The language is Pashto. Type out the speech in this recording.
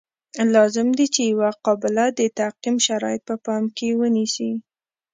لازم دي چې یوه قابله د تعقیم شرایط په پام کې ونیسي.